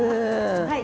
はい。